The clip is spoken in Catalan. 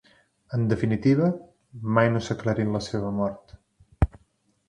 En definitiva, mai no s'ha aclarit la seva mort.